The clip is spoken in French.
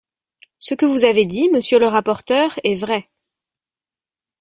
Ce que vous avez dit, monsieur le rapporteur est vrai.